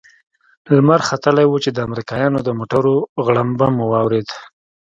لمر ختلى و چې د امريکايانو د موټرو غړمبه مو واورېد.